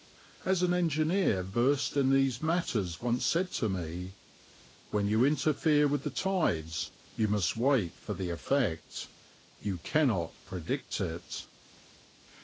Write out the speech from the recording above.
As an engineer versed in these matters once said to me, "When you interfere with the tides you must wait for the effect; you cannot predict it."